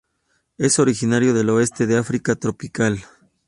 Es originario del oeste de África tropical.